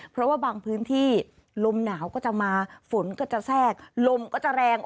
เพราะว่าบางพื้นที่ลมหนาวก็จะมาฝนก็จะแทรกลมก็จะแรง